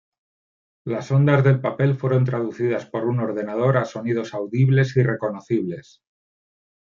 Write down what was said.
Las ondas del papel fueron traducidas por un ordenador a sonidos audibles y reconocibles.